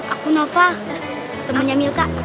aku noval temennya milka